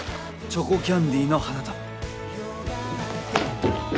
チョコキャンディーの花束。